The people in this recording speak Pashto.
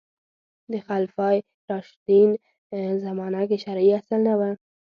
د خلفای راشدین زمانه کې شرعي اصل نه و